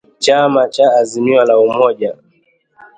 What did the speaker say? chama cha Azimio la Umoja